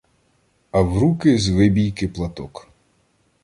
А в руки з вибійки платок.